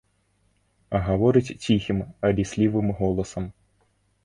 Гаворыць ціхім, ліслівым голасам.